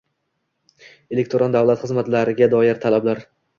Elektron davlat xizmatlariga doir talablar